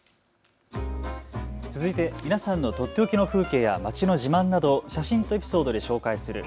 続いて皆さんのとっておきの風景や街の自慢などを写真とエピソードで紹介する＃